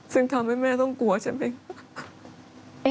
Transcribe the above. ซึ่งทำให้แม่ต้องกลัวใช่ไหม